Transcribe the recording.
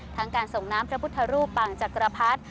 ทั้งการส่งน้ำพระพุทธรูปปางจักรพรรดิ